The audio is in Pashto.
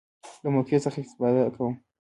له موقع څخه استفاده کوم.